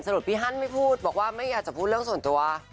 ที่สรุปพี่ฮั้นไม่พูดเฉพาะว่ามันอยากทำพูดส่วนตัว